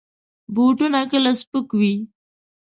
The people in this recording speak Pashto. بوټونه کله سپک وي.